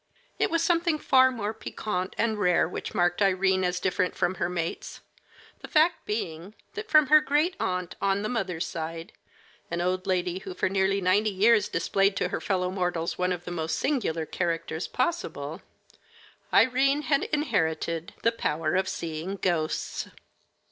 It was something far more piquant and rare which marked Irene as different from her mates, the fact being that from her great aunt on the mother's side, an old lady who for nearly ninety years displayed to her fellow mortals one of the most singular characters possible, Irene had inherited the power of seeing ghosts.